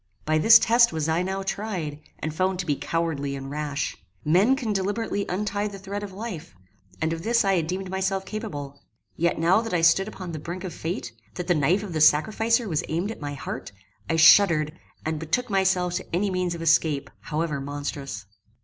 By this test was I now tried, and found to be cowardly and rash. Men can deliberately untie the thread of life, and of this I had deemed myself capable; yet now that I stood upon the brink of fate, that the knife of the sacrificer was aimed at my heart, I shuddered and betook myself to any means of escape, however monstrous.